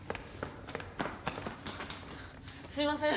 すいません。